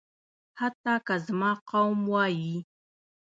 حتی که زما قوم وايي.